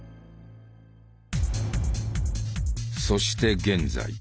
そして現在。